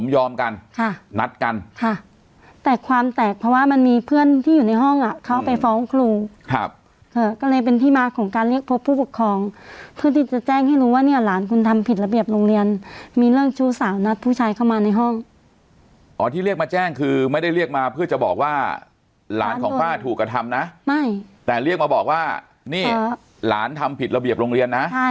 ยอมกันค่ะนัดกันค่ะแต่ความแตกเพราะว่ามันมีเพื่อนที่อยู่ในห้องอ่ะเข้าไปฟ้องครูครับค่ะก็เลยเป็นที่มาของการเรียกพบผู้ปกครองเพื่อที่จะแจ้งให้รู้ว่าเนี่ยหลานคุณทำผิดระเบียบโรงเรียนมีเรื่องชู้สาวนัดผู้ชายเข้ามาในห้องอ๋อที่เรียกมาแจ้งคือไม่ได้เรียกมาเพื่อจะบอกว่าหลานของป้าถูกกระทำนะไม่แต่เรียกมาบอกว่านี่หลานทำผิดระเบียบโรงเรียนนะใช่